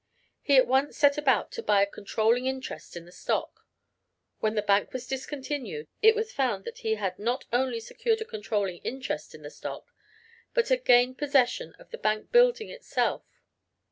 He at once set about to buy a controlling interest in the stock. When the bank was discontinued it was found that he had not only secured a controlling interest in the stock, but had gained possession of the bank building itself.